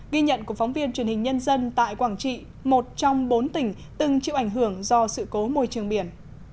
ghi nhận của phóng viên truyền hình nhân dân tại quảng trị một trong bốn tỉnh từng chịu ảnh hưởng do sự cố môi trường biển